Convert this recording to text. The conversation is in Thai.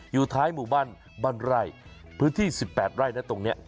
อยู่ท้ายหมู่บ้านบ้านไร่พื้นที่๑๘ไร่นะตรงนี้